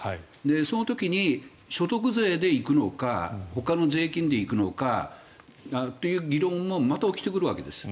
その時に所得税で行くのかほかの税金で行くのかという議論がまた起きてくるわけです。